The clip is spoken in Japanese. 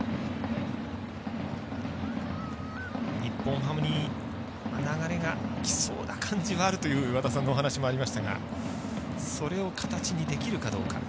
日本ハムに流れがきそうな感じはあるという和田さんのお話もありましたがそれを形にできるかどうか。